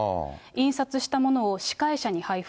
印刷したものを司会者に配布。